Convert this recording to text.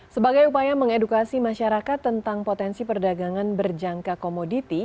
sebagai upaya mengedukasi masyarakat tentang potensi perdagangan berjangka komoditi